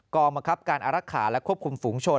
กองบังคับการอรักษาและควบคุมฝุงชน